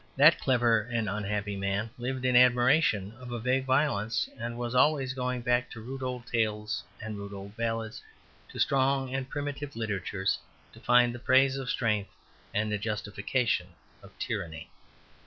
That clever and unhappy man lived in admiration of a vague violence, and was always going back to rude old tales and rude old ballads, to strong and primitive literatures, to find the praise of strength and the justification of tyranny.